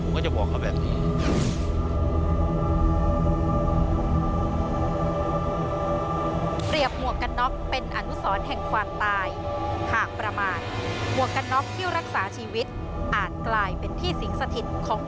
ผมก็จะบอกเขาแบบนี้